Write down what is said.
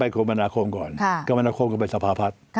กรรมนาคมกคลกลับไปสภาพัฒน์